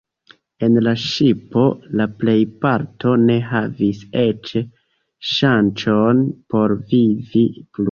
En la ŝipo la plejparto ne havis eĉ ŝancon por vivi plu.